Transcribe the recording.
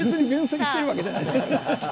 分析してるわけじゃないです。